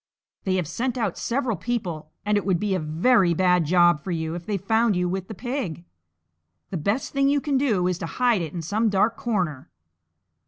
They have sent out several people, and it would be a very bad job for you if they found you with the pig; the best thing you can do is to hide it in some dark corner!"